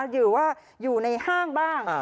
หรือว่าอยู่ในห้างบ้าง